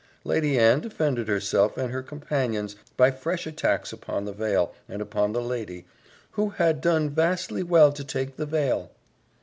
Lady Anne defended herself and her companions by fresh attacks upon the veil, and upon the lady, "who had done vastly well to take the veil."